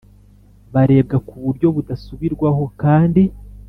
barebwa ku buryo budasubirwaho kandi